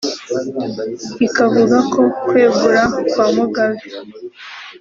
rikavuga ko kwegura kwa Mugabe